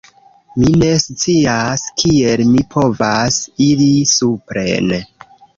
Mi ne scias kiel mi povas iri supren